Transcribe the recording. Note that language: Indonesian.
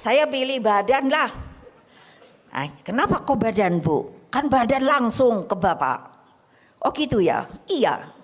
saya pilih badan lah kenapa kok badan bu kan badan langsung ke bapak oh gitu ya iya